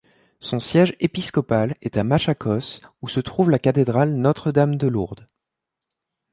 Son siège épiscopal est à Machakos, où se trouve la cathédrale Notre-Dame de Lourdes.